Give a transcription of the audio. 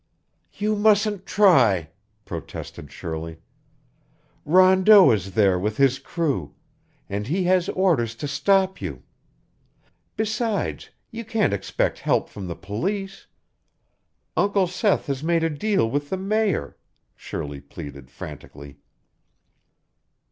"You mustn't try," protested Shirley. "Rondeau is there with his crew and he has orders to stop you. Besides, you can't expect help from the police. Uncle Seth has made a deal with the Mayor," Shirley pleaded frantically.